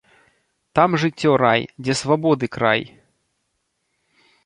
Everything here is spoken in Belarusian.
Там жыццё рай, дзе свабоды край!